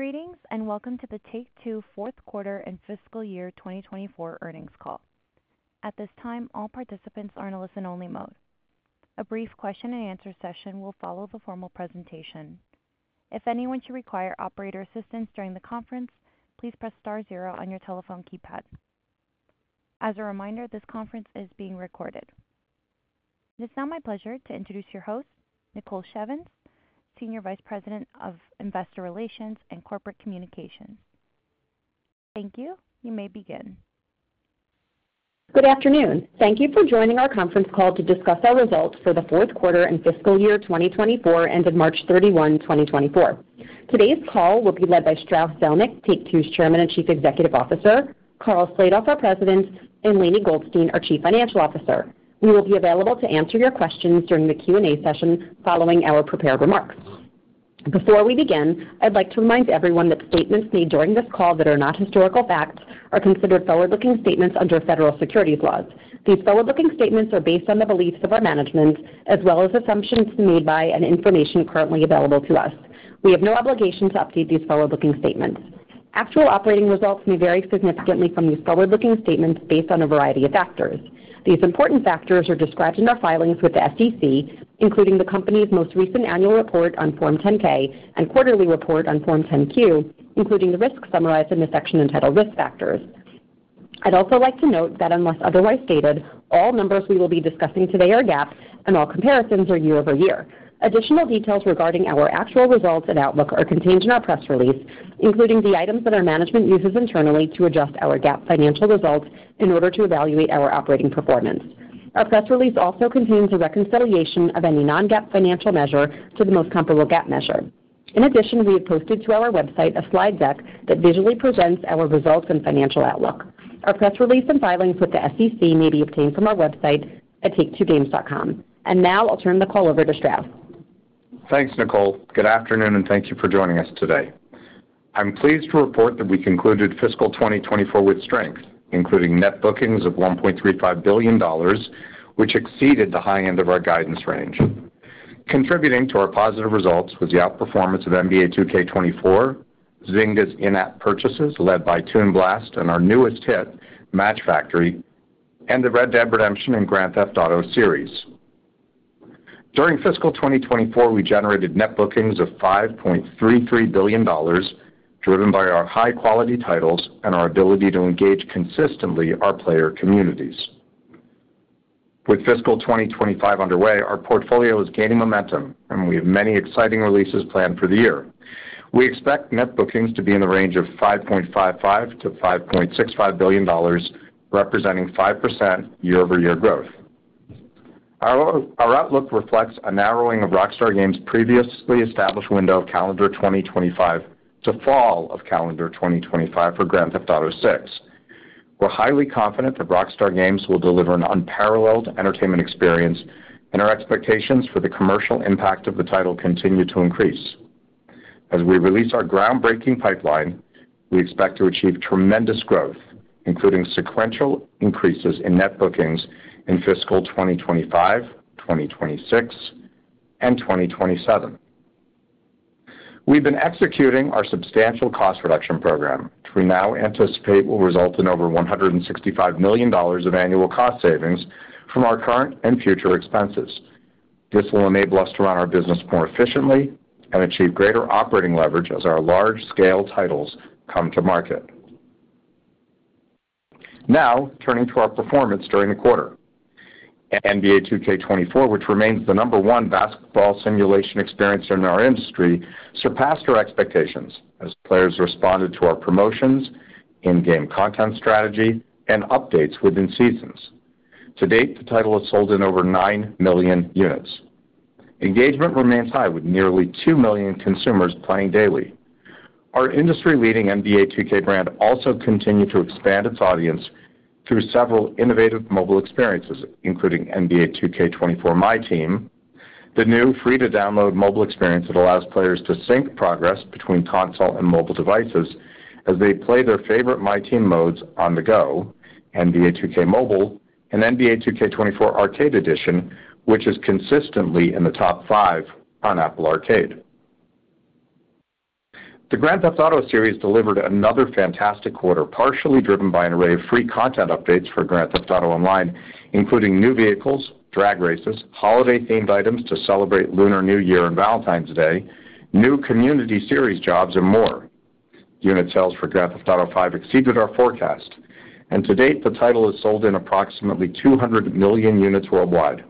Greetings, and welcome to the Take-Two fourth quarter and fiscal year 2024 earnings call. At this time, all participants are in a listen-only mode. A brief question-and-answer session will follow the formal presentation. If anyone should require operator assistance during the conference, please press star 0 on your telephone keypad. As a reminder, this conference is being recorded. It is now my pleasure to introduce your host, Nicole Shevins, Senior Vice President of Investor Relations and Corporate Communications. Thank you. You may begin. Good afternoon. Thank you for joining our conference call to discuss our results for the fourth quarter and fiscal year 2024, ended March 31, 2024. Today's call will be led by Strauss Zelnick, Take-Two's Chairman and Chief Executive Officer, Karl Slatoff, our President, and Lainie Goldstein, our Chief Financial Officer. We will be available to answer your questions during the Q&A session following our prepared remarks. Before we begin, I'd like to remind everyone that statements made during this call that are not historical facts are considered forward-looking statements under federal securities laws. These forward-looking statements are based on the beliefs of our management as well as assumptions made by and information currently available to us. We have no obligation to update these forward-looking statements. Actual operating results may vary significantly from these forward-looking statements based on a variety of factors. These important factors are described in our filings with the SEC, including the company's most recent annual report on Form 10-K and quarterly report on Form 10-Q, including the risks summarized in the section entitled Risk Factors. I'd also like to note that unless otherwise stated, all numbers we will be discussing today are GAAP, and all comparisons are year-over-year. Additional details regarding our actual results and outlook are contained in our press release, including the items that our management uses internally to adjust our GAAP financial results in order to evaluate our operating performance. Our press release also contains a reconciliation of any non-GAAP financial measure to the most comparable GAAP measure. In addition, we have posted to our website a slide deck that visually presents our results and financial outlook. Our press release and filings with the SEC may be obtained from our website at take2games.com. Now I'll turn the call over to Strauss. Thanks, Nicole. Good afternoon, and thank you for joining us today. I'm pleased to report that we concluded fiscal 2024 with strength, including net bookings of $1.35 billion, which exceeded the high end of our guidance range. Contributing to our positive results was the outperformance of NBA 2K24, Zynga's in-app purchases, led by Toon Blast and our newest hit, Match Factory, and the Red Dead Redemption and Grand Theft Auto series. During fiscal 2024, we generated net bookings of $5.33 billion, driven by our high-quality titles and our ability to engage consistently our player communities. With fiscal 2025 underway, our portfolio is gaining momentum, and we have many exciting releases planned for the year. We expect net bookings to be in the range of $5.55 billion-$5.65 billion, representing 5% year-over-year growth. Our our outlook reflects a narrowing of Rockstar Games' previously established window of calendar 2025 to fall of calendar 2025 for Grand Theft Auto VI. We're highly confident that Rockstar Games will deliver an unparalleled entertainment experience, and our expectations for the commercial impact of the title continue to increase. As we release our groundbreaking pipeline, we expect to achieve tremendous growth, including sequential increases in net bookings in fiscal 2025, 2026, and 2027. We've been executing our substantial cost reduction program, which we now anticipate will result in over $165 million of annual cost savings from our current and future expenses. This will enable us to run our business more efficiently and achieve greater operating leverage as our large-scale titles come to market. Now, turning to our performance during the quarter. NBA 2K24, which remains the number one basketball simulation experience in our industry, surpassed our expectations as players responded to our promotions, in-game content strategy, and updates within seasons. To date, the title has sold in over nine million units. Engagement remains high, with nearly two million consumers playing daily. Our industry-leading NBA 2K brand also continued to expand its audience through several innovative mobile experiences, including NBA 2K24 MyTEAM, the new free-to-download mobile experience that allows players to sync progress between console and mobile devices as they play their favorite MyTEAM modes on the go, NBA 2K Mobile, and NBA 2K24 Arcade Edition, which is consistently in the top five on Apple Arcade. The Grand Theft Auto series delivered another fantastic quarter, partially driven by an array of free content updates for Grand Theft Auto Online, including new vehicles, drag races, holiday-themed items to celebrate Lunar New Year and Valentine's Day, new community series jobs, and more. Unit sales for Grand Theft Auto V exceeded our forecast, and to date, the title has sold in approximately 200 million units worldwide.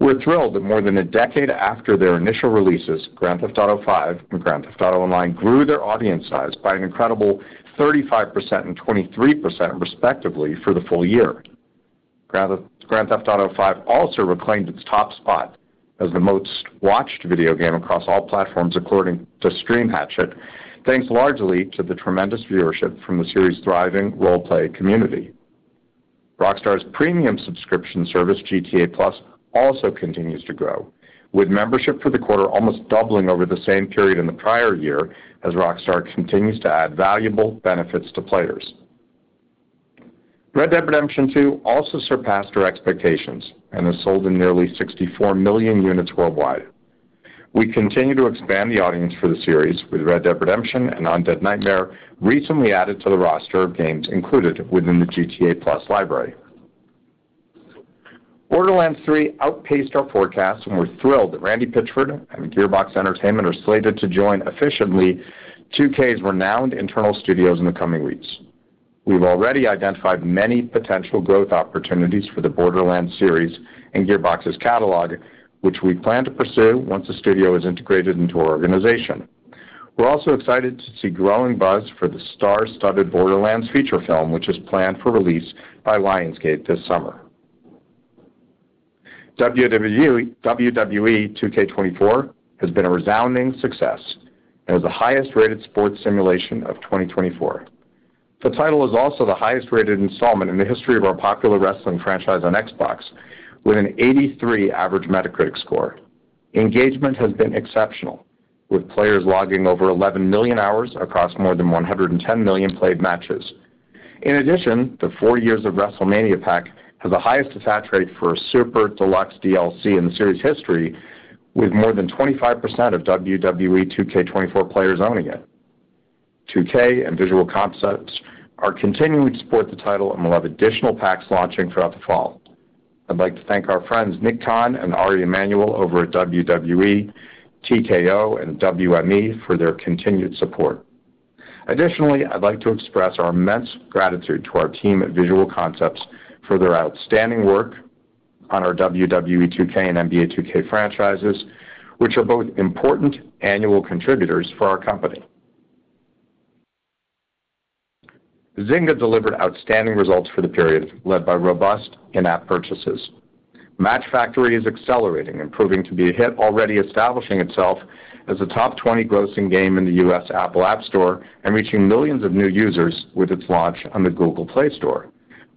We're thrilled that more than a decade after their initial releases, Grand Theft Auto V and Grand Theft Auto Online grew their audience size by an incredible 35% and 23%, respectively, for the full year. Grand Theft Auto V also reclaimed its top spot as the most-watched video game across all platforms, according to Stream Hatchet, thanks largely to the tremendous viewership from the series' thriving role-play community. Rockstar's premium subscription service, GTA+, also continues to grow, with membership for the quarter almost doubling over the same period in the prior year as Rockstar continues to add valuable benefits to players. Red Dead Redemption 2 also surpassed our expectations and has sold in nearly 64 million units worldwide. We continue to expand the audience for the series, with Red Dead Redemption and Undead Nightmare recently added to the roster of games included within the GTA+ library. Borderlands 3 outpaced our forecast, and we're thrilled that Randy Pitchford and Gearbox Entertainment are slated to join efficiently 2K's renowned internal studios in the coming weeks. We've already identified many potential growth opportunities for the Borderlands series and Gearbox's catalog, which we plan to pursue once the studio is integrated into our organization. We're also excited to see growing buzz for the star-studded Borderlands feature film, which is planned for release by Lionsgate this summer. WWE 2K24 has been a resounding success and is the highest-rated sports simulation of 2024. The title is also the highest-rated installment in the history of our popular wrestling franchise on Xbox, with an 83 average Metacritic score. Engagement has been exceptional, with players logging over 11 million hours across more than 110 million played matches. In addition, the Forty Years of WrestleMania Pack has the highest attach rate for a super deluxe DLC in the series history, with more than 25% of WWE 2K24 players owning it. 2K and Visual Concepts are continuing to support the title, and we'll have additional packs launching throughout the fall. I'd like to thank our friends Nick Khan and Ari Emanuel over at WWE, TKO, and WME for their continued support. Additionally, I'd like to express our immense gratitude to our team at Visual Concepts for their outstanding work on our WWE 2K and NBA 2K franchises, which are both important annual contributors for our company. Zynga delivered outstanding results for the period, led by robust in-app purchases. Match Factory is accelerating and proving to be a hit, already establishing itself as a top 20 grossing game in the U.S. Apple App Store and reaching millions of new users with its launch on the Google Play Store.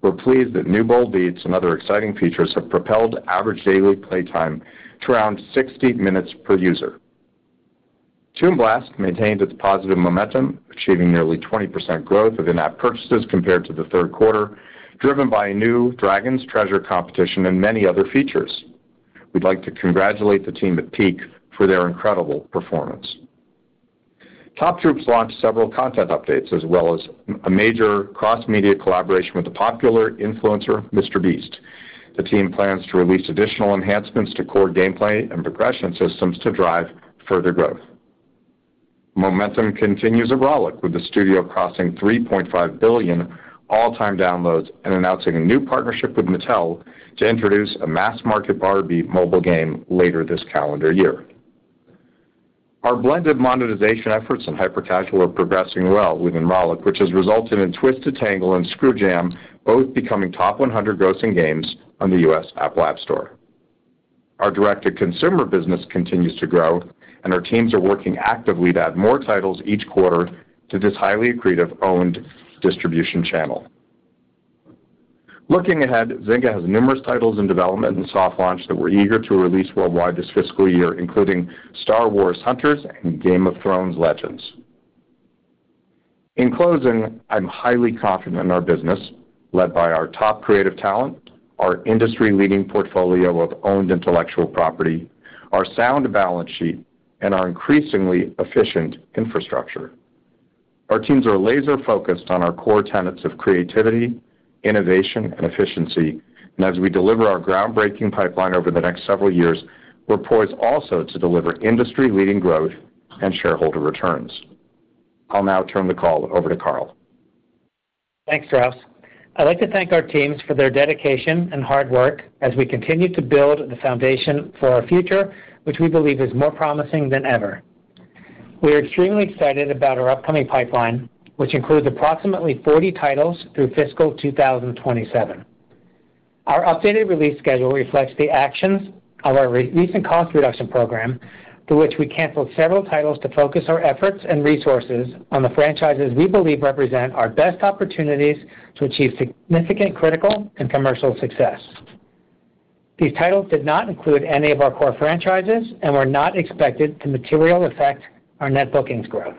We're pleased that new bold beats and other exciting features have propelled average daily play time to around 60 minutes per user. Toon Blast maintained its positive momentum, achieving nearly 20% growth of in-app purchases compared to the third quarter, driven by a new Dragon's Treasure competition and many other features. We'd like to congratulate the team at Peak for their incredible performance. Top Troops launched several content updates, as well as a major cross-media collaboration with the popular influencer, MrBeast. The team plans to release additional enhancements to core gameplay and progression systems to drive further growth. Momentum continues at Rollic, with the studio crossing 3.5 billion all-time downloads and announcing a new partnership with Mattel to introduce a mass-market Barbie mobile game later this calendar year. Our blended monetization efforts in hyper-casual are progressing well within Rollic, which has resulted in Twisted Tangle and Screw Jam, both becoming top 100 grossing games on the US App Store. Our direct-to-consumer business continues to grow, and our teams are working actively to add more titles each quarter to this highly accretive owned distribution channel. Looking ahead, Zynga has numerous titles in development and soft launch that we're eager to release worldwide this fiscal year, including Star Wars: Hunters and Game of Thrones: Legends. In closing, I'm highly confident in our business, led by our top creative talent, our industry-leading portfolio of owned intellectual property, our sound balance sheet, and our increasingly efficient infrastructure. Our teams are laser-focused on our core tenets of creativity, innovation, and efficiency, and as we deliver our groundbreaking pipeline over the next several years, we're poised also to deliver industry-leading growth and shareholder returns. I'll now turn the call over to Karl. Thanks, Strauss. I'd like to thank our teams for their dedication and hard work as we continue to build the foundation for our future, which we believe is more promising than ever. We are extremely excited about our upcoming pipeline, which includes approximately 40 titles through fiscal 2027. Our updated release schedule reflects the actions of our recent cost reduction program, through which we canceled several titles to focus our efforts and resources on the franchises we believe represent our best opportunities to achieve significant critical and commercial success. These titles did not include any of our core franchises and were not expected to materially affect our net bookings growth.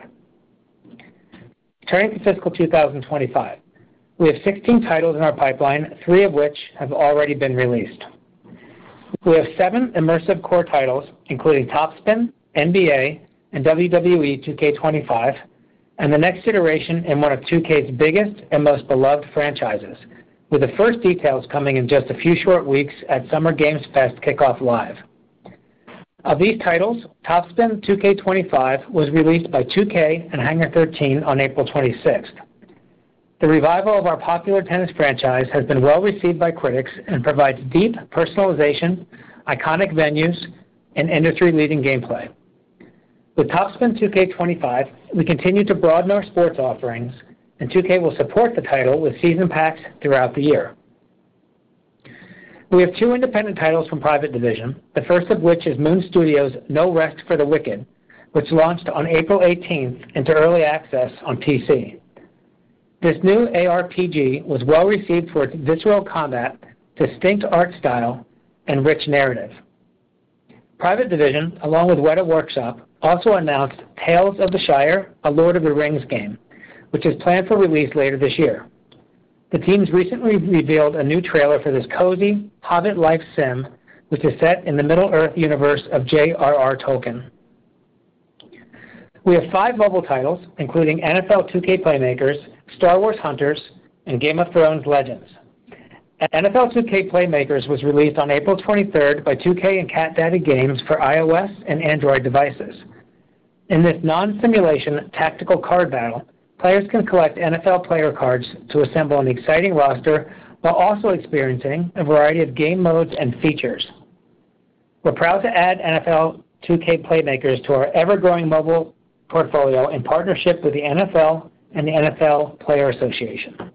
Turning to fiscal 2025, we have 16 titles in our pipeline, three of which have already been released. We have seven immersive core titles, including TopSpin, NBA, and WWE 2K25, and the next iteration in one of 2K's biggest and most beloved franchises, with the first details coming in just a few short weeks at Summer Games Fest Kickoff Live. Of these titles, TopSpin 2K25 was released by 2K and Hangar 13 on April 26th. The revival of our popular tennis franchise has been well received by critics and provides deep personalization, iconic venues, and industry-leading gameplay. With TopSpin 2K25, we continue to broaden our sports offerings, and 2K will support the title with season packs throughout the year. We have two independent titles from Private Division, the first of which is Moon Studios' No Rest for the Wicked, which launched on April eighteenth into early access on PC. This new ARPG was well received for its visceral combat, distinct art style, and rich narrative.... Private Division, along with Weta Workshop, also announced Tales of the Shire: A Lord of the Rings game, which is planned for release later this year. The teams recently revealed a new trailer for this cozy hobbit life sim, which is set in the Middle-earth universe of J.R.R. Tolkien. We have five mobile titles, including NFL 2K Playmakers, Star Wars: Hunters, and Game of Thrones: Legends. NFL 2K Playmakers was released on April twenty-third by 2K and Cat Daddy Games for iOS and Android devices. In this non-simulation tactical card battle, players can collect NFL player cards to assemble an exciting roster, while also experiencing a variety of game modes and features. We're proud to add NFL 2K Playmakers to our ever-growing mobile portfolio in partnership with the NFL and the NFL Players Association.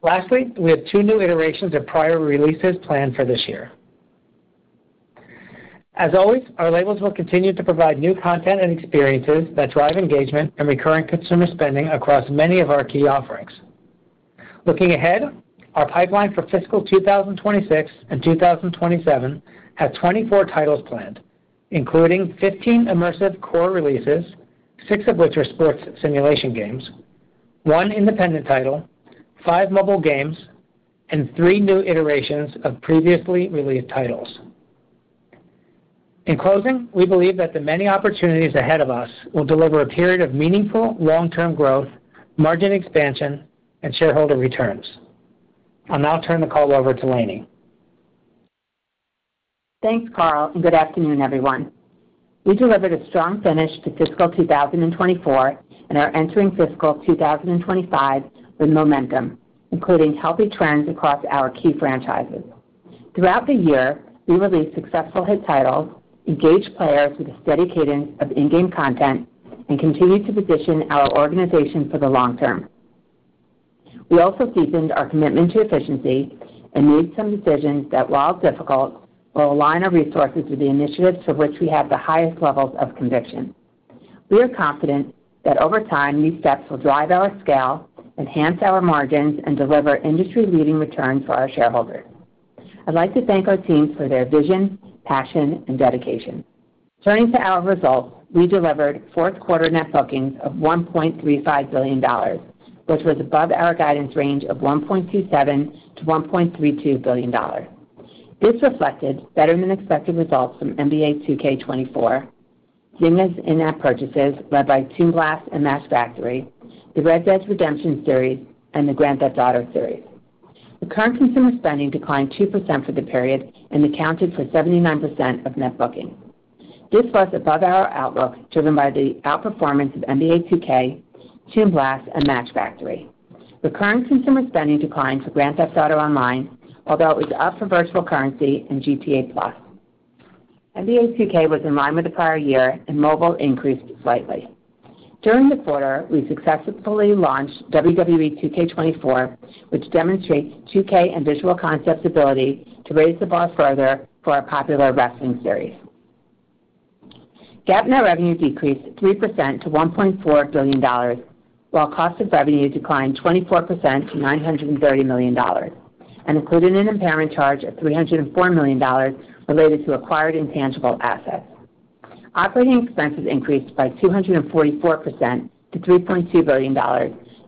Lastly, we have two new iterations of prior releases planned for this year. As always, our labels will continue to provide new content and experiences that drive engagement and recurring consumer spending across many of our key offerings. Looking ahead, our pipeline for fiscal 2026 and 2027 have 24 titles planned, including 15 immersive core releases, six of which are sports simulation games, one independent title, five mobile games, and three new iterations of previously released titles. In closing, we believe that the many opportunities ahead of us will deliver a period of meaningful long-term growth, margin expansion, and shareholder returns. I'll now turn the call over to Lainie. Thanks, Karl, and good afternoon, everyone. We delivered a strong finish to fiscal 2024 and are entering fiscal 2025 with momentum, including healthy trends across our key franchises. Throughout the year, we released successful hit titles, engaged players with a steady cadence of in-game content, and continued to position our organization for the long term. We also deepened our commitment to efficiency and made some decisions that, while difficult, will align our resources with the initiatives to which we have the highest levels of conviction. We are confident that over time, these steps will drive our scale, enhance our margins, and deliver industry-leading returns for our shareholders. I'd like to thank our teams for their vision, passion, and dedication. Turning to our results, we delivered fourth quarter net bookings of $1.35 billion, which was above our guidance range of $1.27 billion-$1.32 billion. This reflected better-than-expected results from NBA 2K24, in-app purchases led by Toon Blast and Match Factory, the Red Dead Redemption series, and the Grand Theft Auto series. Recurrent consumer spending declined 2% for the period and accounted for 79% of net bookings. This was above our outlook, driven by the outperformance of NBA 2K, Toon Blast, and Match Factory. Recurrent consumer spending declined for Grand Theft Auto Online, although it was up for virtual currency in GTA+. NBA 2K was in line with the prior year, and mobile increased slightly. During the quarter, we successfully launched WWE 2K24, which demonstrates 2K and Visual Concepts' ability to raise the bar further for our popular wrestling series. GAAP net revenue decreased 3% to $1.4 billion, while cost of revenue declined 24% to $930 million and included an impairment charge of $304 million related to acquired intangible assets. Operating expenses increased by 244% to $3.2 billion,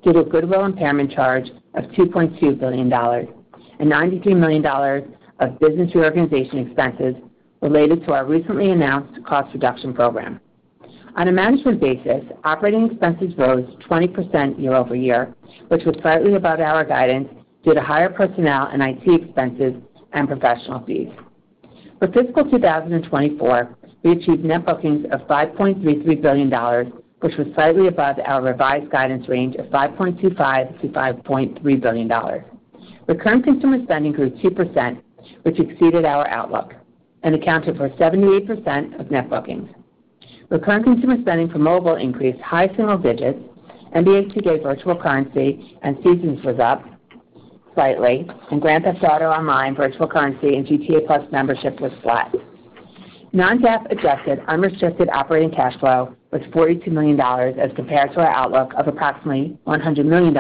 due to goodwill impairment charge of $2.2 billion and $93 million of business reorganization expenses related to our recently announced cost reduction program. On a management basis, operating expenses rose 20% year-over-year, which was slightly above our guidance due to higher personnel and IT expenses and professional fees. For fiscal 2024, we achieved net bookings of $5.33 billion, which was slightly above our revised guidance range of $5.25 billion-$5.3 billion. Recurrent consumer spending grew 2%, which exceeded our outlook and accounted for 78% of net bookings. Recurrent consumer spending for mobile increased high single digits. NBA 2K virtual currency and seasons was up slightly, and Grand Theft Auto Online virtual currency and GTA+ membership was flat. Non-GAAP adjusted unrestricted operating cash flow was $42 million as compared to our outlook of approximately $100 million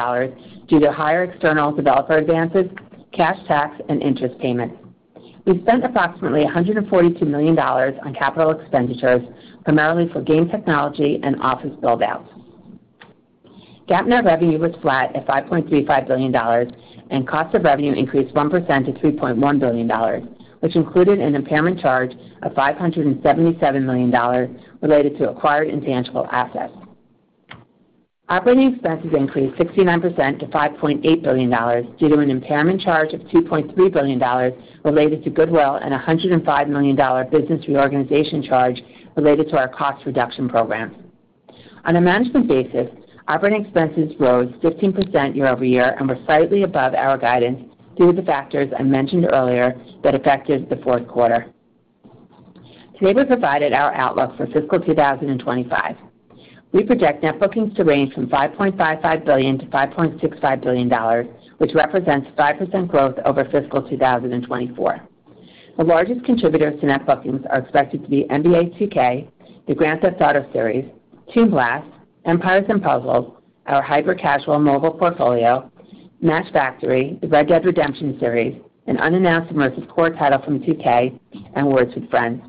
due to higher external developer advances, cash tax, and interest payments. We spent approximately $142 million on capital expenditures, primarily for game technology and office build outs. GAAP net revenue was flat at $5.35 billion, and cost of revenue increased 1% to $3.1 billion, which included an impairment charge of $577 million related to acquired intangible assets. Operating expenses increased 69% to $5.8 billion due to an impairment charge of $2.3 billion related to goodwill and a $105 million business reorganization charge related to our cost reduction program. On a management basis, operating expenses rose 15% year-over-year and were slightly above our guidance due to the factors I mentioned earlier that affected the fourth quarter. Today, we provided our outlook for fiscal 2025. We project net bookings to range from $5.55 billion-$5.65 billion, which represents 5% growth over fiscal 2024. The largest contributors to net bookings are expected to be NBA 2K, the Grand Theft Auto series, Toon Blast, and Empires & Puzzles, our hyper-casual mobile portfolio... Match Factory, the Red Dead Redemption series, an unannounced immersive core title from 2K, and Words With Friends.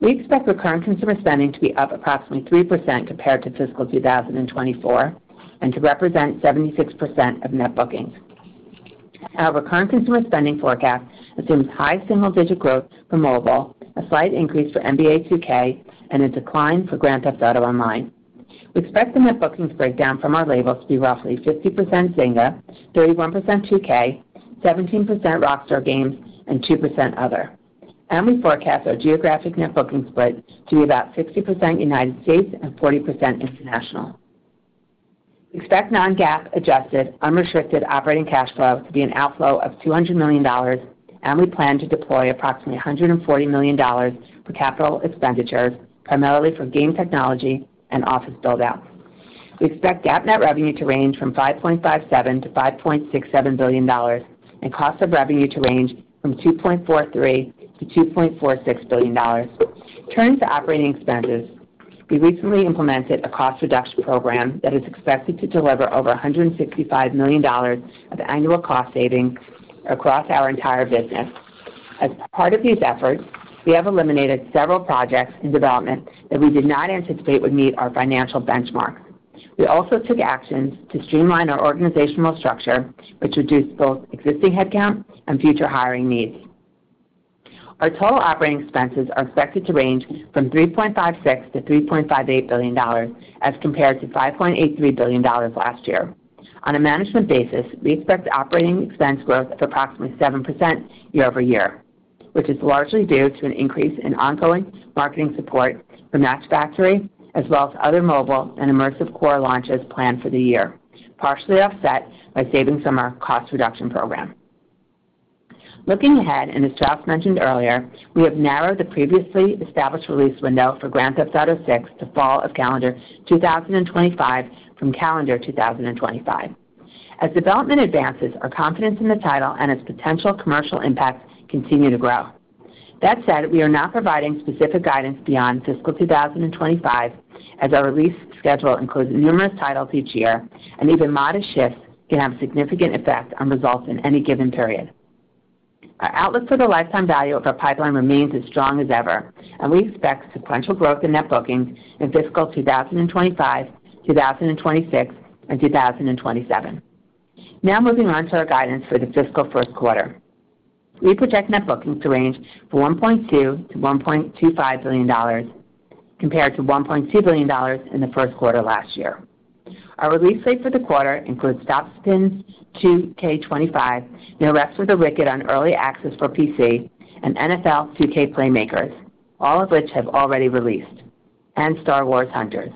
We expect recurring consumer spending to be up approximately 3% compared to fiscal 2024, and to represent 76% of net bookings. Our recurring consumer spending forecast assumes high single-digit growth for mobile, a slight increase for NBA 2K, and a decline for Grand Theft Auto Online. We expect the net bookings breakdown from our labels to be roughly 50% Zynga, 31% 2K, 17% Rockstar Games, and 2% other. We forecast our geographic net booking split to be about 60% United States and 40% international. We expect non-GAAP adjusted, unrestricted operating cash flow to be an outflow of $200 million, and we plan to deploy approximately $140 million for capital expenditures, primarily for game technology and office build out. We expect GAAP net revenue to range from $5.57 billion-$5.67 billion, and cost of revenue to range from $2.43 billion-$2.46 billion. Turning to operating expenses, we recently implemented a cost reduction program that is expected to deliver over $165 million of annual cost savings across our entire business. As part of these efforts, we have eliminated several projects in development that we did not anticipate would meet our financial benchmark. We also took actions to streamline our organizational structure, which reduced both existing headcount and future hiring needs. Our total operating expenses are expected to range from $3.56 billion-$3.58 billion, as compared to $5.83 billion last year. On a management basis, we expect operating expense growth of approximately 7% year-over-year, which is largely due to an increase in ongoing marketing support for Match Factory, as well as other mobile and immersive core launches planned for the year, partially offset by savings from our cost reduction program. Looking ahead, and as Strauss mentioned earlier, we have narrowed the previously established release window for Grand Theft Auto VI to Fall 2025 from calendar 2025. As development advances, our confidence in the title and its potential commercial impact continue to grow. That said, we are not providing specific guidance beyond fiscal 2025, as our release schedule includes numerous titles each year, and even modest shifts can have significant effects on results in any given period. Our outlook for the lifetime value of our pipeline remains as strong as ever, and we expect sequential growth in net bookings in fiscal 2025, 2026, and 2027. Now moving on to our guidance for the fiscal first quarter. We project net bookings to range from $1.2 billion-$1.25 billion, compared to $1.2 billion in the first quarter last year. Our release slate for the quarter includes TopSpin 2K25, No Rest for the Wicked on Early Access for PC, and NFL 2K Playmakers, all of which have already released, and Star Wars: Hunters.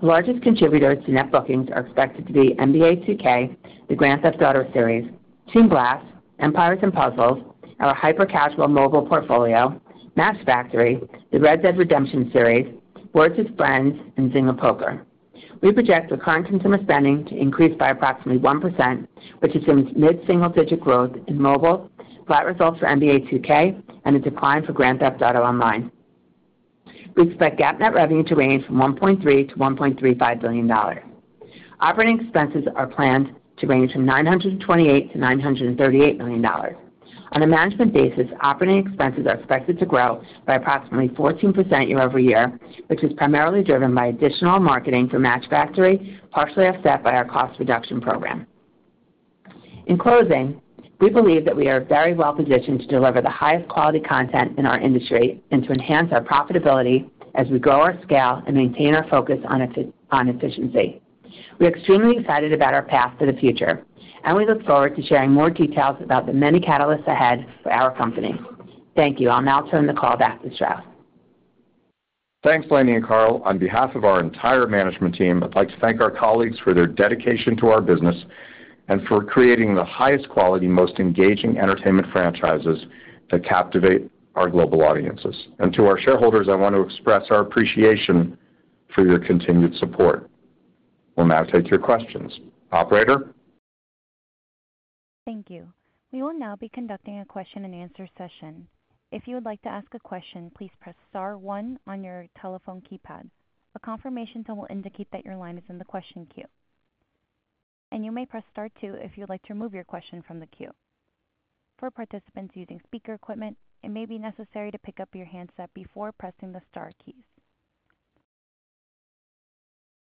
The largest contributors to net bookings are expected to be NBA 2K, the Grand Theft Auto series, Toon Blast, Empires & Puzzles, our hyper-casual mobile portfolio, Match Factory, the Red Dead Redemption series, Words With Friends, and Zynga Poker. We project recurring consumer spending to increase by approximately 1%, which assumes mid-single digit growth in mobile, flat results for NBA 2K, and a decline for Grand Theft Auto Online. We expect GAAP net revenue to range from $1.3 billion-$1.35 billion. Operating expenses are planned to range from $928 million-$938 million. On a management basis, operating expenses are expected to grow by approximately 14% year-over-year, which is primarily driven by additional marketing for Match Factory, partially offset by our cost reduction program. In closing, we believe that we are very well positioned to deliver the highest quality content in our industry and to enhance our profitability as we grow our scale and maintain our focus on efficiency. We're extremely excited about our path to the future, and we look forward to sharing more details about the many catalysts ahead for our company. Thank you. I'll now turn the call back to Strauss. Thanks, Lainie and Karl. On behalf of our entire management team, I'd like to thank our colleagues for their dedication to our business and for creating the highest quality, most engaging entertainment franchises that captivate our global audiences. And to our shareholders, I want to express our appreciation for your continued support. We'll now take your questions. Operator? Thank you. We will now be conducting a question-and-answer session. If you would like to ask a question, please press star one on your telephone keypad. A confirmation tone will indicate that your line is in the question queue. You may press star two if you'd like to remove your question from the queue. For participants using speaker equipment, it may be necessary to pick up your handset before pressing the star keys.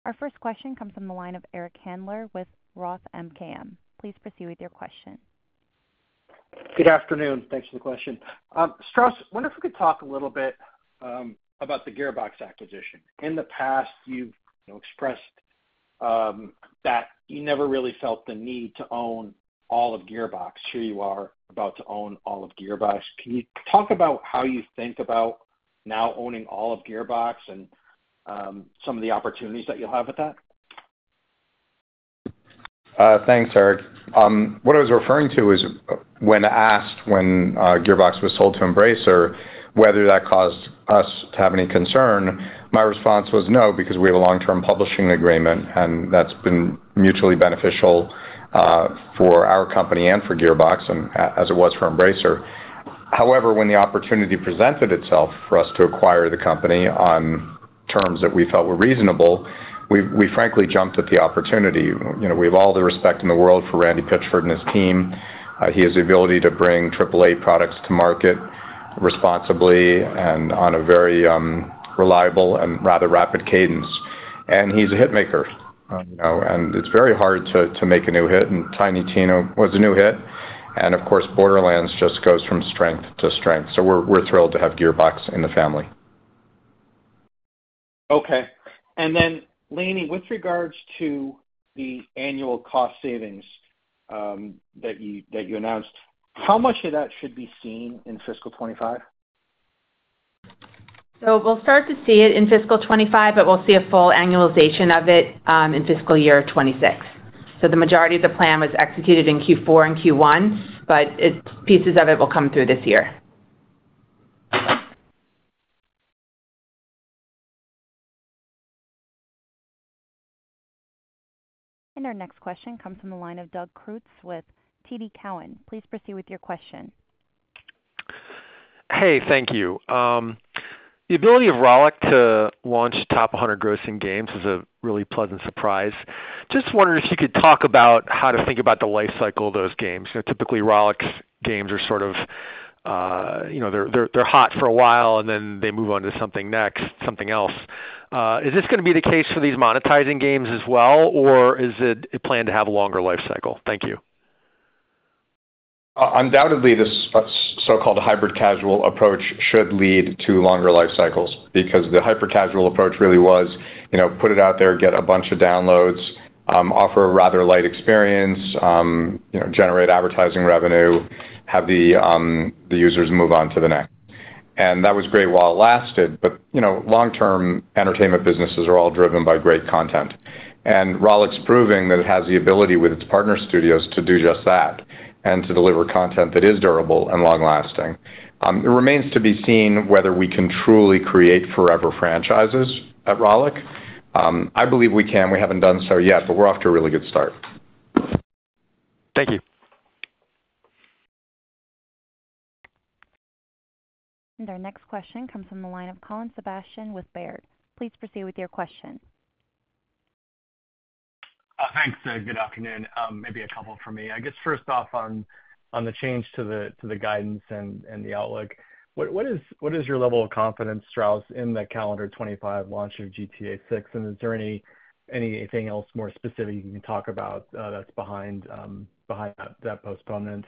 Our first question comes from the line of Eric Handler with Roth MKM. Please proceed with your question. Good afternoon. Thanks for the question. Strauss, wonder if you could talk a little bit about the Gearbox acquisition. In the past, you've, you know, expressed that you never really felt the need to own all of Gearbox. Here you are, about to own all of Gearbox. Can you talk about how you think about now owning all of Gearbox and some of the opportunities that you'll have with that? Thanks, Eric. What I was referring to is when asked when Gearbox was sold to Embracer, whether that caused us to have any concern, my response was no, because we have a long-term publishing agreement, and that's been mutually beneficial for our company and for Gearbox, and as it was for Embracer. However, when the opportunity presented itself for us to acquire the company on terms that we felt were reasonable, we frankly jumped at the opportunity. You know, we have all the respect in the world for Randy Pitchford and his team. He has the ability to bring triple-A products to market responsibly and on a very reliable and rather rapid cadence. And he's a hit maker, you know, and it's very hard to make a new hit, and Tiny Tina was a new hit. And of course, Borderlands just goes from strength to strength. So we're thrilled to have Gearbox in the family. Okay. And then, Lainie, with regards to the annual cost savings that you announced, how much of that should be seen in fiscal 2025? So we'll start to see it in fiscal 2025, but we'll see a full annualization of it in fiscal year 26. So the majority of the plan was executed in Q4 and Q1, but it pieces of it will come through this year. Our next question comes from the line of Doug Creutz with TD Cowen. Please proceed with your question. Hey, thank you. The ability of Rollic to launch top 100 grossing games is a really pleasant surprise. Just wondering if you could talk about how to think about the life cycle of those games. You know, typically, Rollic's games are sort of, you know, they're hot for a while, and then they move on to something next, something else. Is this gonna be the case for these monetizing games as well, or is it a plan to have a longer life cycle? Thank you. Undoubtedly, this so-called hybrid-casual approach should lead to longer life cycles because the hyper-casual approach really was, you know, put it out there, get a bunch of downloads, offer a rather light experience, you know, generate advertising revenue, have the the users move on to the next. That was great while it lasted, but, you know, long-term entertainment businesses are all driven by great content. Rollic's proving that it has the ability with its partner studios to do just that and to deliver content that is durable and long-lasting. It remains to be seen whether we can truly create forever franchises at Rollic. I believe we can. We haven't done so yet, but we're off to a really good start. Thank you. Our next question comes from the line of Colin Sebastian with Baird. Please proceed with your question. Thanks, and good afternoon. Maybe a couple for me. I guess first off, on the change to the guidance and the outlook. What is your level of confidence, Strauss, in the calendar 2025 launch of GTA VI? And is there anything else more specific you can talk about that's behind that postponement?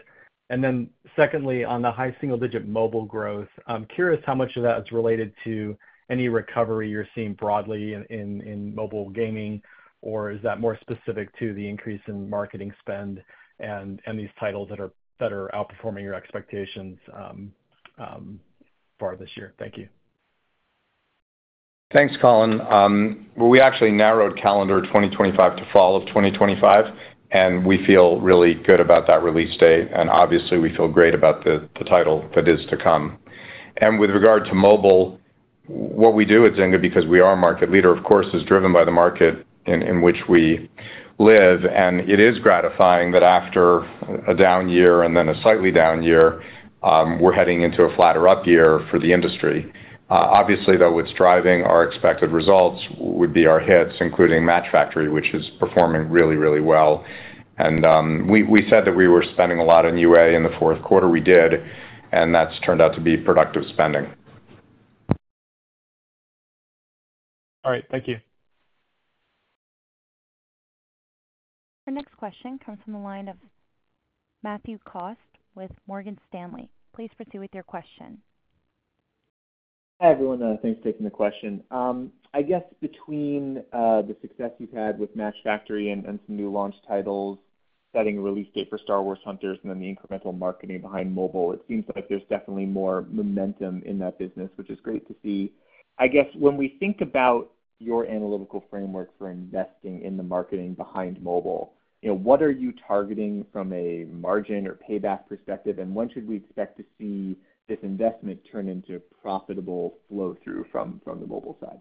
And then secondly, on the high single-digit mobile growth, I'm curious how much of that is related to any recovery you're seeing broadly in mobile gaming, or is that more specific to the increase in marketing spend and these titles that are outperforming your expectations for this year? Thank you. Thanks, Colin. Well, we actually narrowed calendar 2025 to fall of 2025, and we feel really good about that release date. And obviously, we feel great about the, the title that is to come. And with regard to mobile, what we do at Zynga, because we are a market leader, of course, is driven by the market in, in which we live, and it is gratifying that after a down year and then a slightly down year, we're heading into a flatter up year for the industry. Obviously, though, what's driving our expected results would be our hits, including Match Factory, which is performing really, really well. And, we said that we were spending a lot in UA in the fourth quarter. We did, and that's turned out to be productive spending. All right. Thank you. Our next question comes from the line of Matthew Cost with Morgan Stanley. Please proceed with your question. Hi, everyone. Thanks for taking the question. I guess between the success you've had with Match Factory and some new launch titles, setting a release date for Star Wars: Hunters and then the incremental marketing behind mobile, it seems like there's definitely more momentum in that business, which is great to see. I guess when we think about your analytical framework for investing in the marketing behind mobile, you know, what are you targeting from a margin or payback perspective? And when should we expect to see this investment turn into profitable flow-through from the mobile side?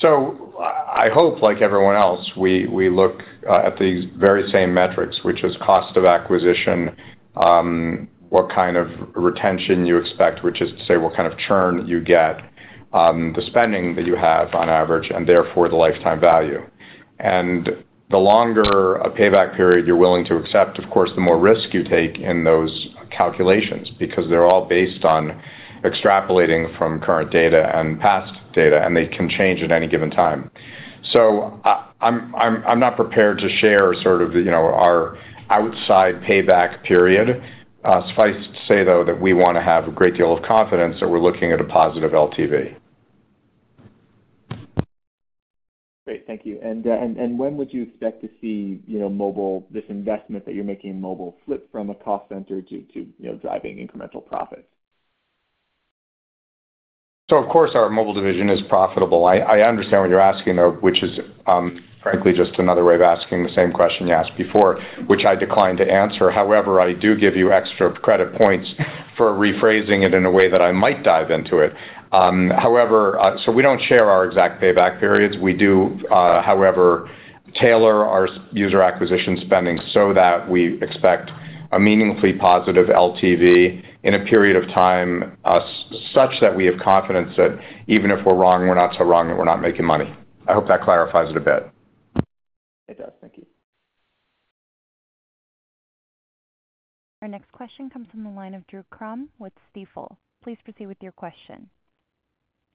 So I hope, like everyone else, we look at the very same metrics, which is cost of acquisition, what kind of retention you expect, which is to say, what kind of churn you get, the spending that you have on average, and therefore, the lifetime value. And the longer a payback period you're willing to accept, of course, the more risk you take in those calculations, because they're all based on extrapolating from current data and past data, and they can change at any given time. So I'm not prepared to share sort of the, you know, our outside payback period. Suffice to say, though, that we want to have a great deal of confidence that we're looking at a positive LTV. Great. Thank you. And when would you expect to see, you know, mobile—this investment that you're making in mobile, flip from a cost center to, you know, driving incremental profits? So of course, our mobile division is profitable. I understand what you're asking, though, which is, frankly, just another way of asking the same question you asked before, which I declined to answer. However, I do give you extra credit points for rephrasing it in a way that I might dive into it. However, so we don't share our exact payback periods. We do, however, tailor our user acquisition spending so that we expect a meaningfully positive LTV in a period of time, such that we have confidence that even if we're wrong, we're not so wrong that we're not making money. I hope that clarifies it a bit. It does. Thank you. ...Our next question comes from the line of Drew Crum with Stifel. Please proceed with your question.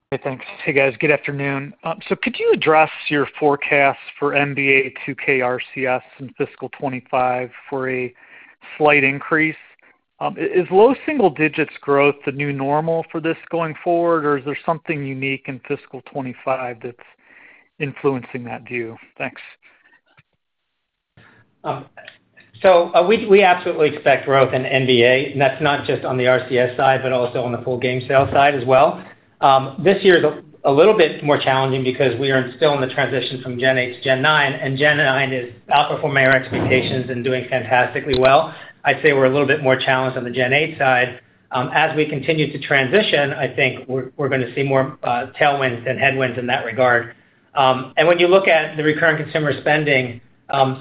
Hey, thanks. Hey, guys, good afternoon. So could you address your forecast for NBA 2K RCS in fiscal 2025 for a slight increase? Is low single digits growth the new normal for this going forward, or is there something unique in fiscal 2025 that's influencing that view? Thanks. So, we absolutely expect growth in NBA, and that's not just on the RCS side, but also on the full game sale side as well. This year is a little bit more challenging because we are still in the transition from Gen 8 to Gen 9, and Gen 9 is outperforming our expectations and doing fantastically well. I'd say we're a little bit more challenged on the Gen 8 side. As we continue to transition, I think we're gonna see more tailwinds than headwinds in that regard. And when you look at the recurring consumer spending,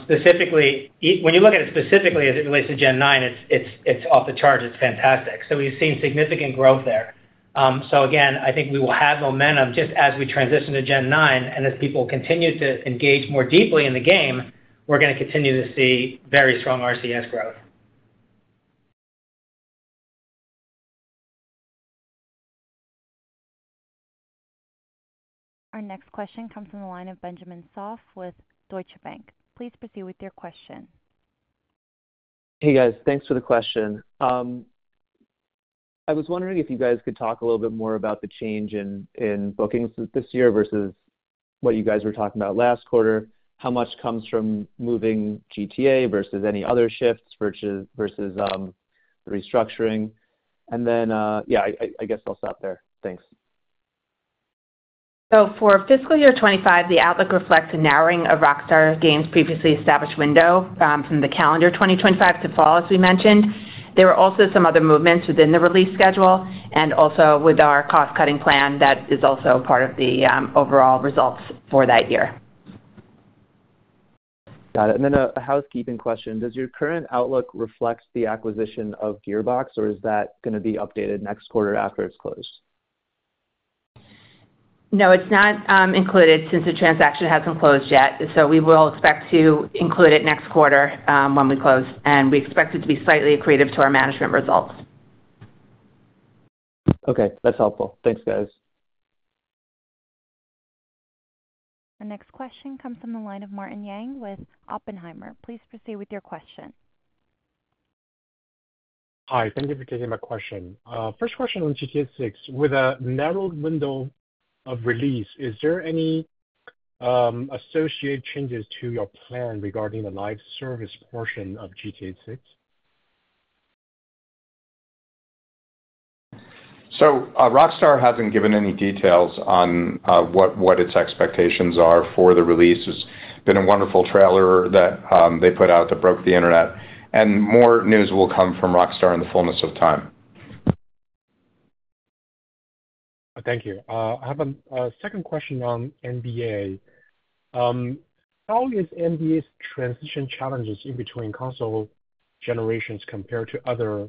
specifically, when you look at it specifically as it relates to Gen 9, it's off the charts. It's fantastic. So we've seen significant growth there. So again, I think we will have momentum just as we transition to Gen 9, and as people continue to engage more deeply in the game, we're gonna continue to see very strong RCS growth. Our next question comes from the line of Benjamin Soff with Deutsche Bank. Please proceed with your question. Hey, guys. Thanks for the question. I was wondering if you guys could talk a little bit more about the change in bookings this year versus what you guys were talking about last quarter. How much comes from moving GTA versus any other shifts, versus the restructuring? And then, yeah, I guess I'll stop there. Thanks. So for fiscal year 2025, the outlook reflects a narrowing of Rockstar Games' previously established window, from the calendar 2025 to fall, as we mentioned. There were also some other movements within the release schedule and also with our cost-cutting plan that is also part of the overall results for that year. Got it. And then a housekeeping question: Does your current outlook reflect the acquisition of Gearbox, or is that gonna be updated next quarter after it's closed? No, it's not included since the transaction hasn't closed yet. So we will expect to include it next quarter, when we close, and we expect it to be slightly accretive to our management results. Okay, that's helpful. Thanks, guys. Our next question comes from the line of Martin Yang with Oppenheimer. Please proceed with your question. Hi, thank you for taking my question. First question on GTA VI. With a narrowed window of release, is there any associated changes to your plan regarding the live service portion of GTA VI? So, Rockstar hasn't given any details on what its expectations are for the release. It's been a wonderful trailer that they put out that broke the internet, and more news will come from Rockstar in the fullness of time. Thank you. I have a second question on NBA. How is NBA's transition challenges in between console generations compare to other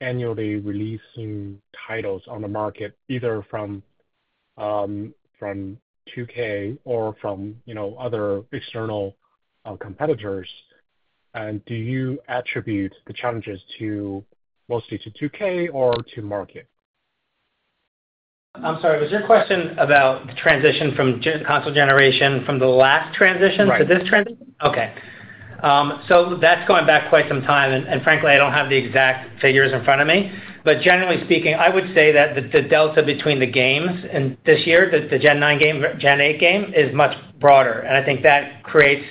annually releasing titles on the market, either from 2K or from, you know, other external competitors? Do you attribute the challenges to mostly to 2K or to market? I'm sorry, was your question about the transition from Gen- console generation from the last transition? Right. -to this transition? Okay. So that's going back quite some time, and frankly, I don't have the exact figures in front of me. But generally speaking, I would say that the delta between the games and this year, the Gen 9 game, Gen 8 game, is much broader, and I think that creates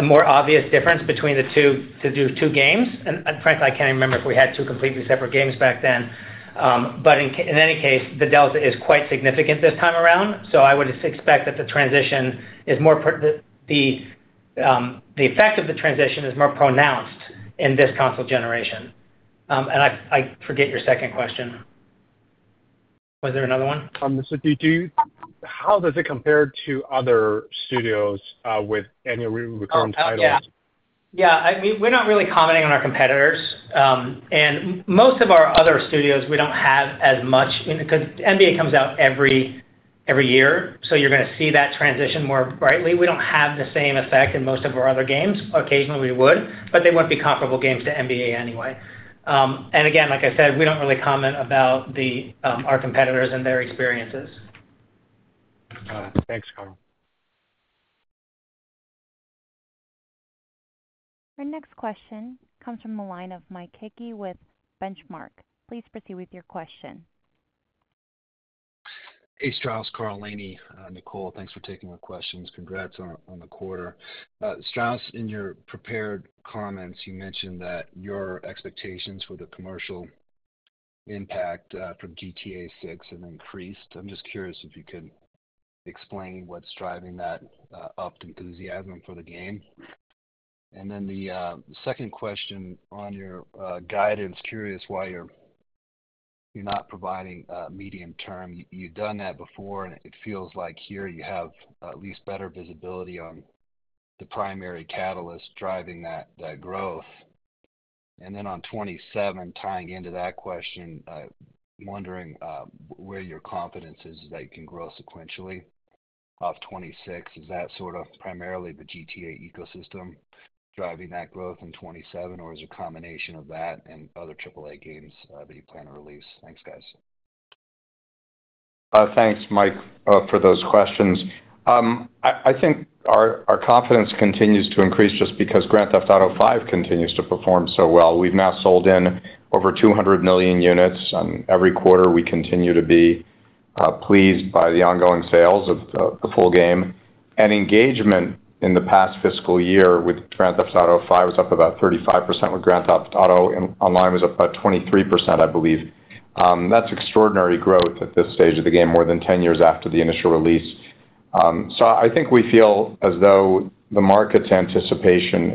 a more obvious difference between the two to do two games. And frankly, I can't even remember if we had two completely separate games back then. But in any case, the delta is quite significant this time around, so I would just expect that the effect of the transition is more pronounced in this console generation. And I forget your second question. Was there another one? So, how does it compare to other studios with annual recurring titles? Oh, yeah. Yeah, I mean, we're not really commenting on our competitors. And most of our other studios, we don't have as much, and because NBA comes out every year, so you're gonna see that transition more brightly. We don't have the same effect in most of our other games. Occasionally, we would, but they wouldn't be comparable games to NBA anyway. And again, like I said, we don't really comment about our competitors and their experiences. Got it. Thanks, Karl. Our next question comes from the line of Mike Hickey with Benchmark. Please proceed with your question. Hey, Strauss, Karl, Lainie, Nicole, thanks for taking my questions. Congrats on the quarter. Strauss, in your prepared comments, you mentioned that your expectations for the commercial impact from GTA 6 have increased. I'm just curious if you could explain what's driving that upped enthusiasm for the game. And then the second question on your guidance, curious why you're not providing medium term. You've done that before, and it feels like here you have at least better visibility on the primary catalyst driving that growth. ...Then on 2027, tying into that question, wondering where your confidence is that you can grow sequentially off 2026. Is that sort of primarily the GTA ecosystem driving that growth in 2027, or is it a combination of that and other AAA games that you plan to release? Thanks, guys. Thanks, Mike, for those questions. I think our confidence continues to increase just because Grand Theft Auto V continues to perform so well. We've now sold in over 200 million units, and every quarter, we continue to be pleased by the ongoing sales of the full game. Engagement in the past fiscal year with Grand Theft Auto 5 was up about 35%, with Grand Theft Auto Online was up about 23%, I believe. That's extraordinary growth at this stage of the game, more than 10 years after the initial release. So I think we feel as though the market's anticipation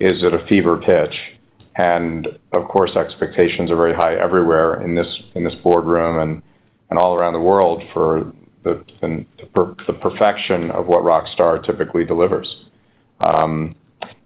is at a fever pitch. And of course, expectations are very high everywhere in this boardroom and all around the world for the perfection of what Rockstar typically delivers.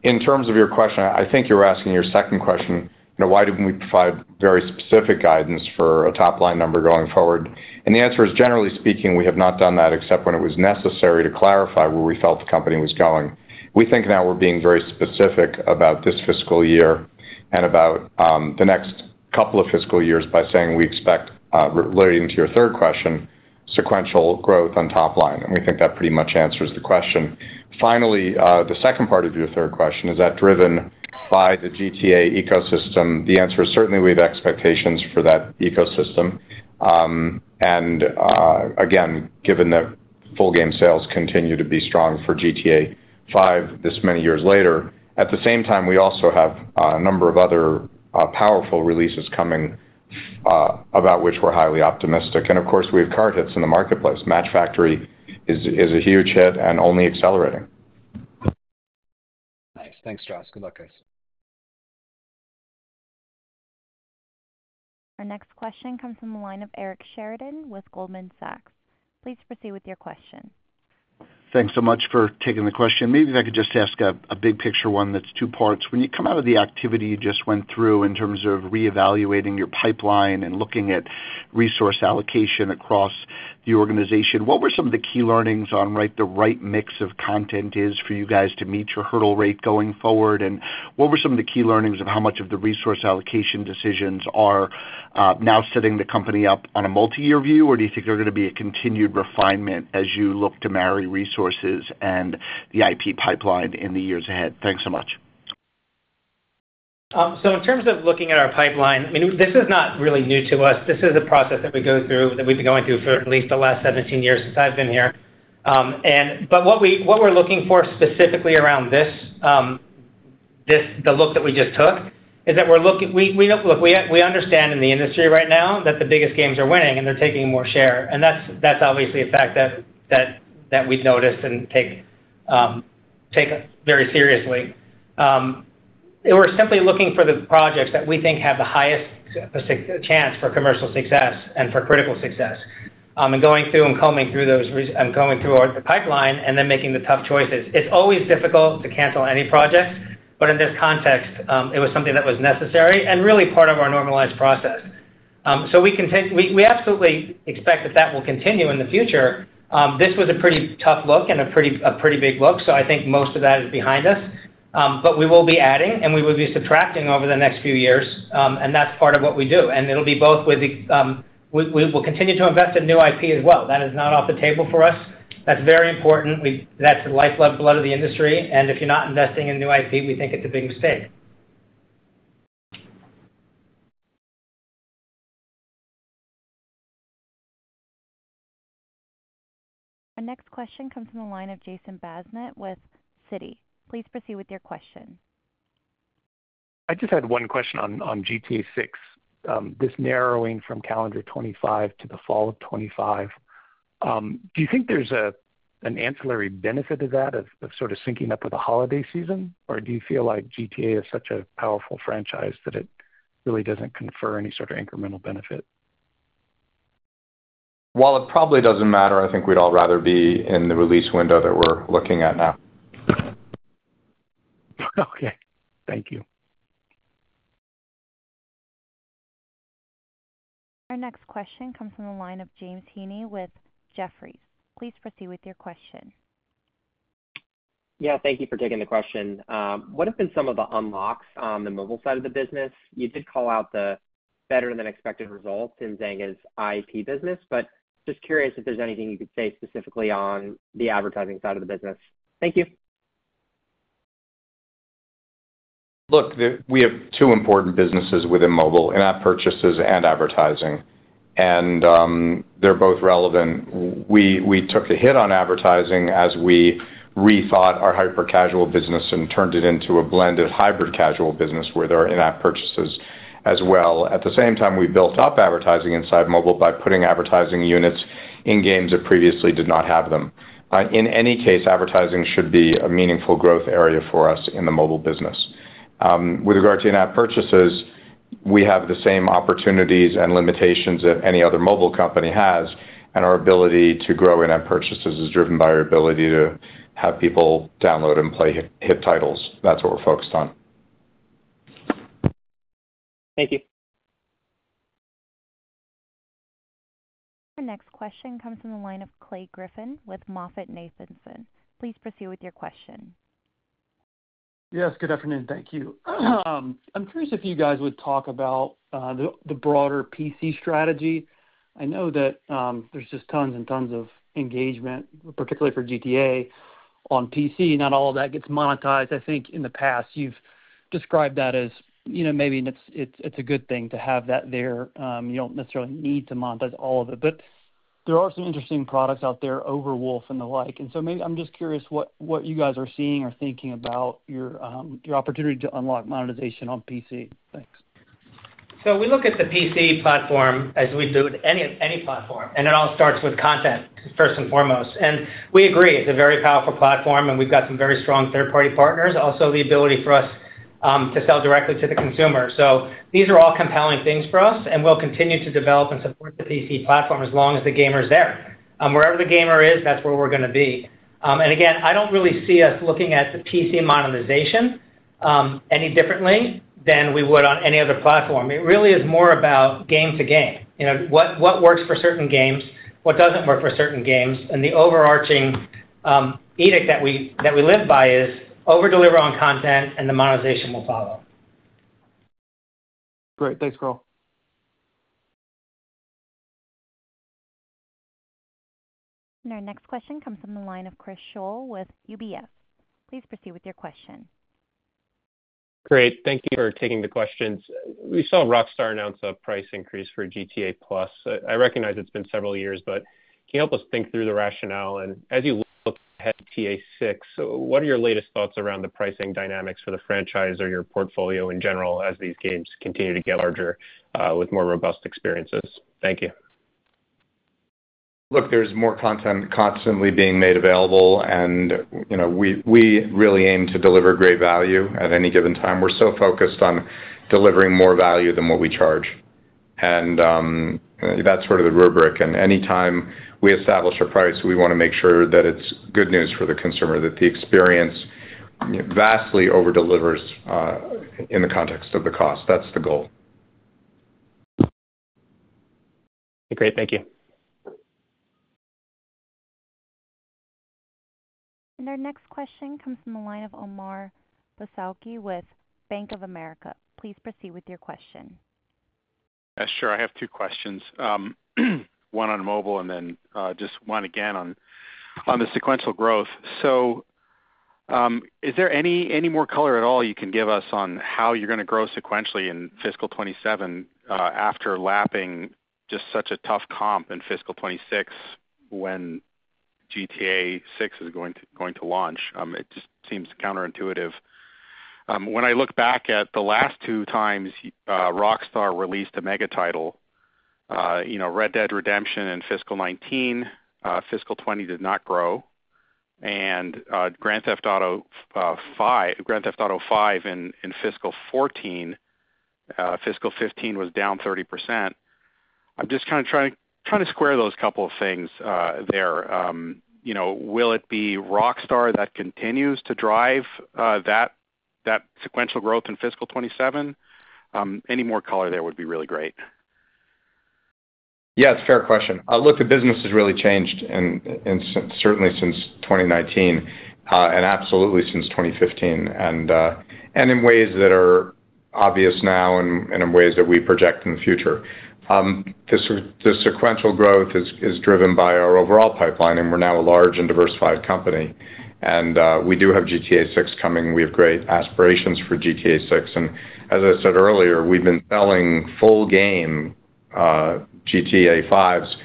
In terms of your question, I think you were asking your second question, you know, why didn't we provide very specific guidance for a top-line number going forward? The answer is, generally speaking, we have not done that except when it was necessary to clarify where we felt the company was going. We think now we're being very specific about this fiscal year and about the next couple of fiscal years by saying we expect, relating to your third question, sequential growth on top line, and we think that pretty much answers the question. Finally, the second part of your third question, is that driven by the GTA ecosystem? The answer is certainly we have expectations for that ecosystem. And again, given that full game sales continue to be strong for GTA V this many years later. At the same time, we also have a number of other powerful releases coming about which we're highly optimistic. Of course, we have current hits in the marketplace. Match Factory is a huge hit and only accelerating. Nice. Thanks, Strauss. Good luck, guys. Our next question comes from the line of Eric Sheridan with Goldman Sachs. Please proceed with your question. Thanks so much for taking the question. Maybe if I could just ask a big picture, one that's two parts. When you come out of the activity you just went through in terms of reevaluating your pipeline and looking at resource allocation across the organization, what were some of the key learnings on the right mix of content is for you guys to meet your hurdle rate going forward? And what were some of the key learnings of how much of the resource allocation decisions are now setting the company up on a multi-year view, or do you think they're going to be a continued refinement as you look to marry resources and the IP pipeline in the years ahead? Thanks so much. So in terms of looking at our pipeline, I mean, this is not really new to us. This is a process that we go through, that we've been going through for at least the last 17 years since I've been here. But what we're looking for specifically around this, the look that we just took, is that we understand in the industry right now that the biggest games are winning, and they're taking more share, and that's obviously a fact that we've noticed and take very seriously. And we're simply looking for the projects that we think have the highest chance for commercial success and for critical success. And going through and combing through our pipeline and then making the tough choices. It's always difficult to cancel any project, but in this context, it was something that was necessary and really part of our normalized process. So we absolutely expect that that will continue in the future. This was a pretty tough look and a pretty big look, so I think most of that is behind us. But we will be adding, and we will be subtracting over the next few years, and that's part of what we do. And it'll be both with the, we will continue to invest in new IP as well. That is not off the table for us. That's very important. That's the lifeblood, blood of the industry, and if you're not investing in new IP, we think it's a big mistake. Our next question comes from the line of Jason Bazinet with Citi. Please proceed with your question. I just had one question on GTA VI. This narrowing from calendar 2025 to the fall of 2025. Do you think there's an ancillary benefit to that, of sort of syncing up with the holiday season? Or do you feel like GTA is such a powerful franchise that it really doesn't confer any sort of incremental benefit? While it probably doesn't matter, I think we'd all rather be in the release window that we're looking at now. Okay. Thank you. Our next question comes from the line of James Heaney with Jefferies. Please proceed with your question. Yeah, thank you for taking the question. What have been some of the unlocks on the mobile side of the business? You did call out the better-than-expected results in Zynga's IP business, but just curious if there's anything you could say specifically on the advertising side of the business. Thank you. Look, we have two important businesses within mobile, in-app purchases and advertising, and they're both relevant. We took the hit on advertising as we rethought our hyper-casual business and turned it into a blended hybrid casual business where there are in-app purchases as well. At the same time, we built up advertising inside mobile by putting advertising units in games that previously did not have them. In any case, advertising should be a meaningful growth area for us in the mobile business. With regard to in-app purchases, we have the same opportunities and limitations that any other mobile company has, and our ability to grow in-app purchases is driven by our ability to have people download and play hit titles. That's what we're focused on. Thank you. Our next question comes from the line of Clay Griffin with MoffettNathanson. Please proceed with your question. Yes, good afternoon. Thank you. I'm curious if you guys would talk about the broader PC strategy. I know that there's just tons and tons of engagement, particularly for GTA on PC. Not all of that gets monetized. I think in the past, you've described that as, you know, maybe it's a good thing to have that there. You don't necessarily need to monetize all of it, but there are some interesting products out there, Overwolf and the like. And so maybe I'm just curious what you guys are seeing or thinking about your opportunity to unlock monetization on PC. Thanks. We look at the PC platform as we do with any, any platform, and it all starts with content, first and foremost. We agree, it's a very powerful platform, and we've got some very strong third-party partners, also, the ability for us to sell directly to the consumer. These are all compelling things for us, and we'll continue to develop and support the PC platform as long as the gamer's there. Wherever the gamer is, that's where we're going to be. And again, I don't really see us looking at the PC monetization any differently than we would on any other platform. It really is more about game to game. You know, what works for certain games, what doesn't work for certain games, and the overarching edict that we live by is over-deliver on content, and the monetization will follow. Great. Thanks, Karl. Our next question comes from the line of Chris Schoell with UBS. Please proceed with your question. Great. Thank you for taking the questions. We saw Rockstar announce a price increase for GTA+. I recognize it's been several years, but can you help us think through the rationale? And as you look ahead to GTA VI, so what are your latest thoughts around the pricing dynamics for the franchise or your portfolio in general, as these games continue to get larger, with more robust experiences? Thank you. Look, there's more content constantly being made available, and, you know, we really aim to deliver great value at any given time. We're so focused on delivering more value than what we charge. That's sort of the rubric. Anytime we establish a price, we want to make sure that it's good news for the consumer, that the experience vastly over-delivers in the context of the cost. That's the goal. Great. Thank you. Our next question comes from the line of Omar Dessouky with Bank of America. Please proceed with your question. Yes, sure. I have two questions. One on mobile and then, just one again on, on the sequential growth. So, is there any, any more color at all you can give us on how you're going to grow sequentially in fiscal 2027, after lapping just such a tough comp in fiscal 2026, when GTA VI is going to, going to launch? It just seems counterintuitive. When I look back at the last two times, Rockstar released a mega title, you know, Red Dead Redemption in fiscal 2019, fiscal 2020 did not grow, and, Grand Theft Auto, 5-- Grand Theft Auto 5 in, in fiscal 2014, fiscal 2015 was down 30%. I'm just kind of trying, trying to square those couple of things, there. You know, will it be Rockstar that continues to drive that sequential growth in fiscal 2027? Any more color there would be really great. Yeah, it's a fair question. Look, the business has really changed, and certainly since 2019, and absolutely since 2015, and in ways that are obvious now and in ways that we project in the future. The sequential growth is driven by our overall pipeline, and we're now a large and diversified company. We do have GTA VI coming. We have great aspirations for GTA VI, and as I said earlier, we've been selling full game GTA Vs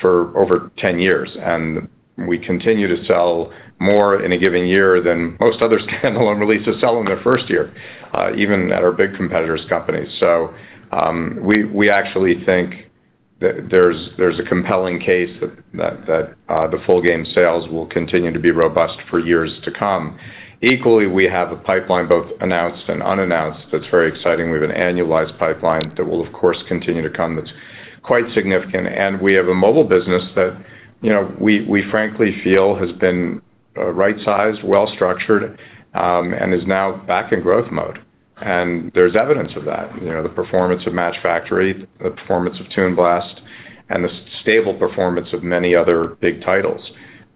for over 10 years, and we continue to sell more in a given year than most other standalone releases sell in their first year, even at our big competitors' companies. So, we actually think that there's a compelling case that the full game sales will continue to be robust for years to come. Equally, we have a pipeline, both announced and unannounced, that's very exciting. We have an annualized pipeline that will, of course, continue to come, that's quite significant. And we have a mobile business that, you know, we frankly feel has been right-sized, well-structured, and is now back in growth mode. And there's evidence of that. You know, the performance of Match Factory, the performance of Toon Blast, and the stable performance of many other big titles.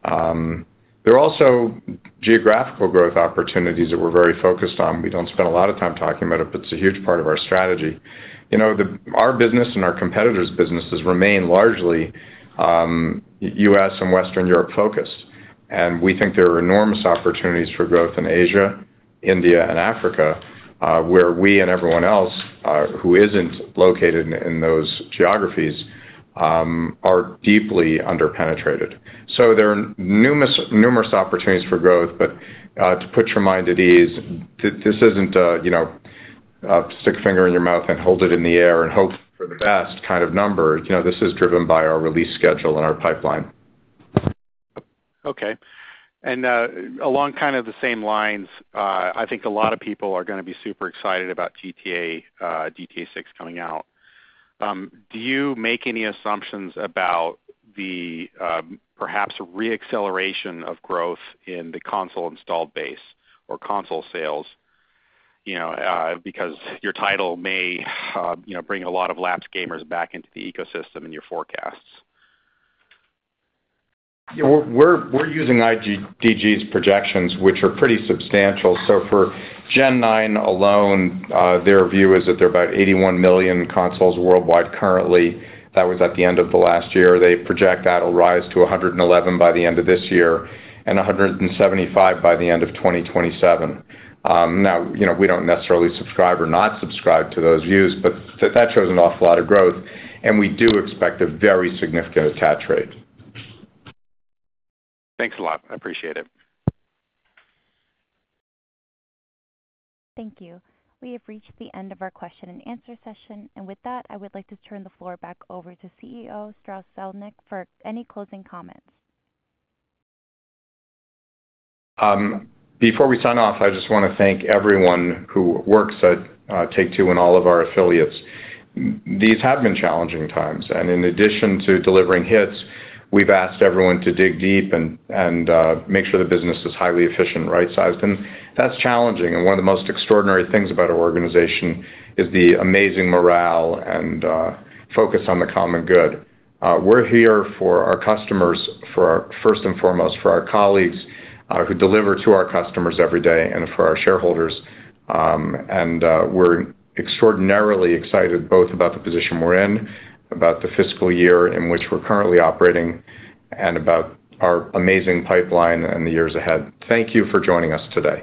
There are also geographical growth opportunities that we're very focused on. We don't spend a lot of time talking about it, but it's a huge part of our strategy. You know, our business and our competitors' businesses remain largely U.S. and Western Europe-focused, and we think there are enormous opportunities for growth in Asia, India, and Africa, where we and everyone else who isn't located in those geographies are deeply underpenetrated. So there are numerous, numerous opportunities for growth, but to put your mind at ease, this isn't a, you know, stick a finger in your mouth and hold it in the air and hope for the best kind of number. You know, this is driven by our release schedule and our pipeline. ...Okay. Along kind of the same lines, I think a lot of people are going to be super excited about GTA, GTA VI coming out. Do you make any assumptions about the perhaps reacceleration of growth in the console installed base or console sales? You know, because your title may, you know, bring a lot of lapsed gamers back into the ecosystem in your forecasts. Yeah, we're using IDG's projections, which are pretty substantial. So for Gen 9 alone, their view is that there are about 81 million consoles worldwide currently. That was at the end of the last year. They project that will rise to 111 by the end of this year and 175 by the end of 2027. Now, you know, we don't necessarily subscribe or not subscribe to those views, but that shows an awful lot of growth, and we do expect a very significant attach rate. Thanks a lot. I appreciate it. Thank you. We have reached the end of our question-and-answer session, and with that, I would like to turn the floor back over to CEO, Strauss Zelnick, for any closing comments. Before we sign off, I just want to thank everyone who works at Take-Two and all of our affiliates. These have been challenging times, and in addition to delivering hits, we've asked everyone to dig deep and make sure the business is highly efficient, right-sized. That's challenging. One of the most extraordinary things about our organization is the amazing morale and focus on the common good. We're here for our customers, first and foremost, for our colleagues who deliver to our customers every day and for our shareholders. We're extraordinarily excited both about the position we're in, about the fiscal year in which we're currently operating, and about our amazing pipeline and the years ahead. Thank you for joining us today.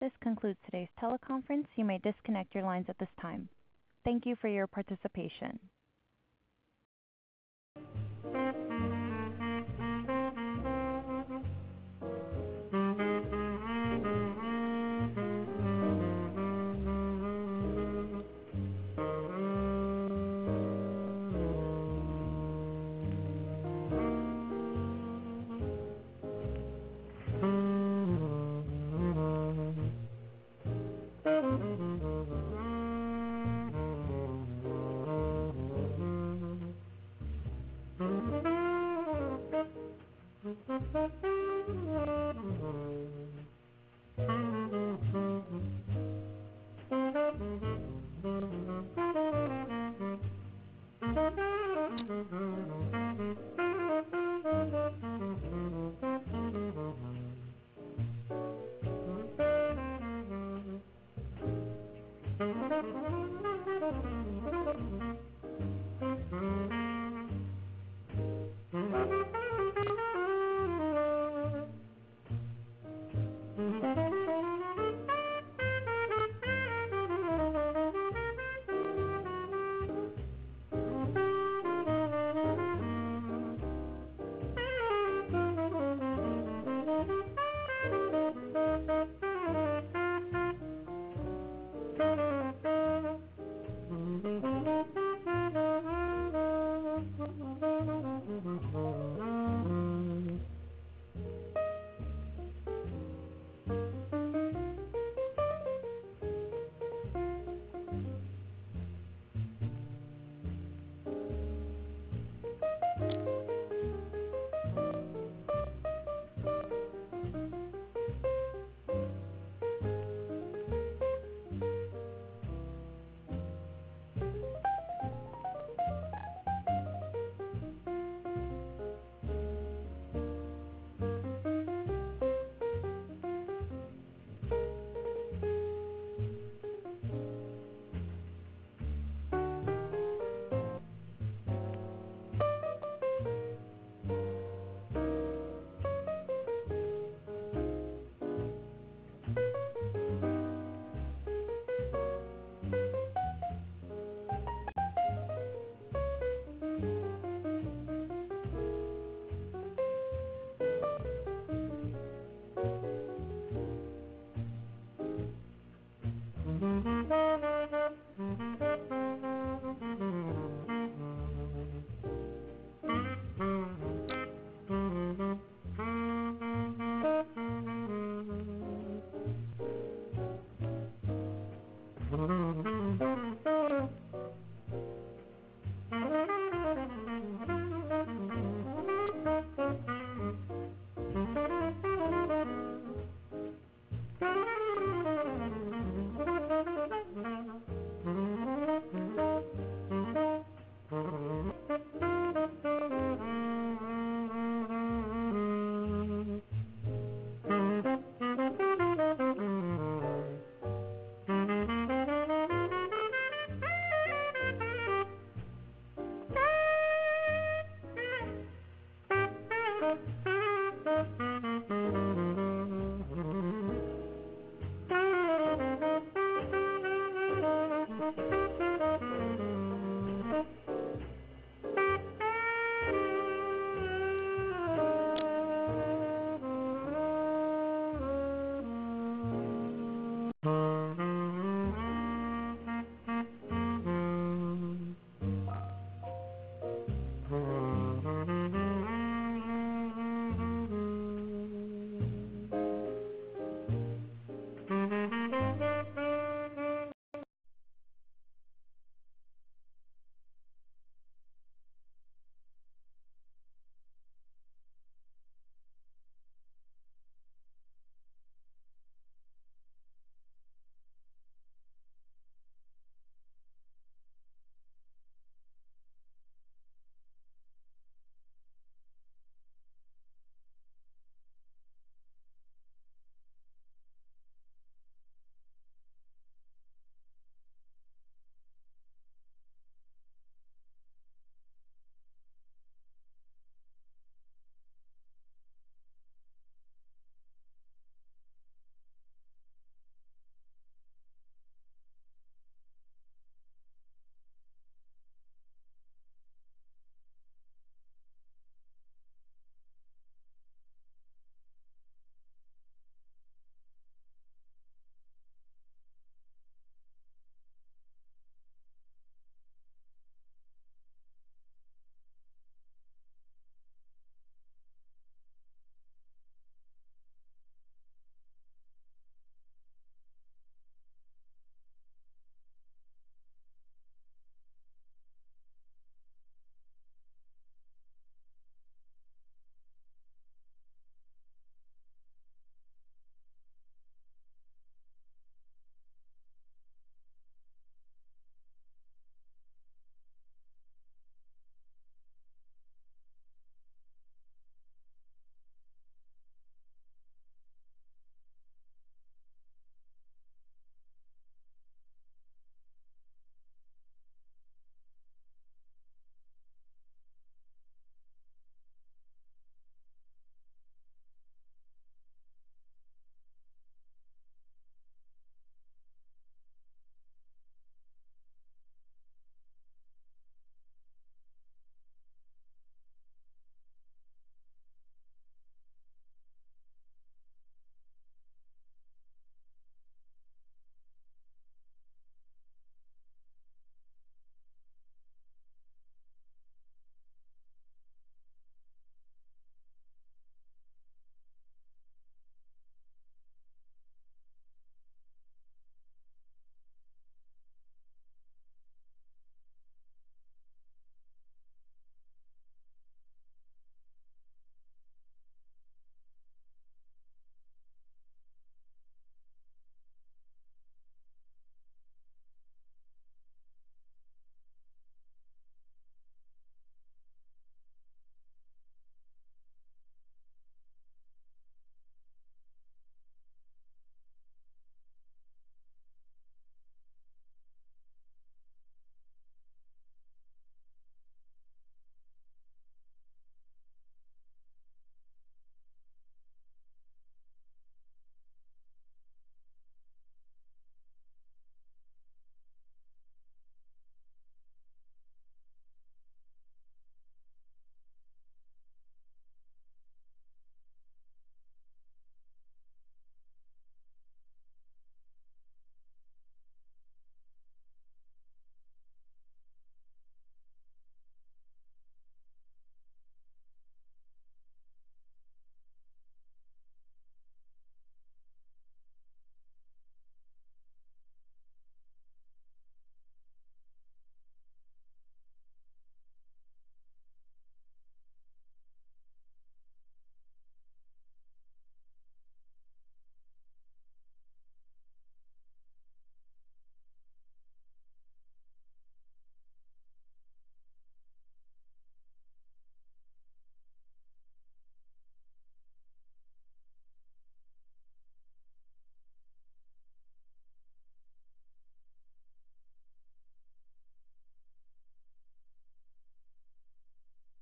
This concludes today's teleconference. You may disconnect your lines at this time. Thank you for your participation.